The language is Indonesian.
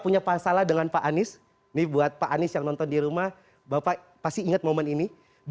punya masalah dengan pak anies ini buat pak anies yang nonton di rumah bapak pasti ingat momen ini